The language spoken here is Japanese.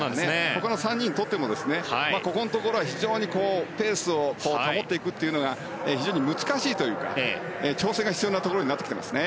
ほかの３人にとってもここのところは非常にペースを保っていくというのが非常に難しいというか調整が必要なところになってきますね。